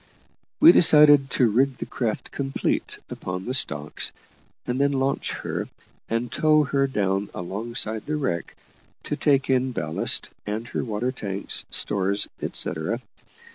We decided to rig the craft complete upon the stocks, and then launch her, and tow her down alongside the wreck, to take in ballast, and her water tanks, stores, etcetera.